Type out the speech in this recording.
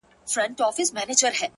o زلفـي را تاوي کړي پــر خپلـو اوږو؛